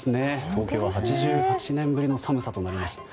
東京は８８年ぶりの寒さとなりました。